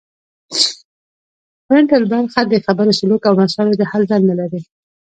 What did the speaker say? فرنټل برخه د خبرو سلوک او مسایلو د حل دنده لري